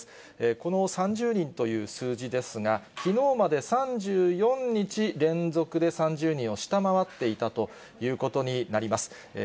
この３０人という数字ですが、きのうまで３４日連続で３０人を下回っていたということになります。